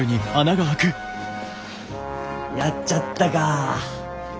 やっちゃったか。